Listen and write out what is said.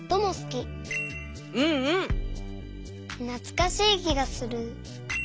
なつかしいきがする。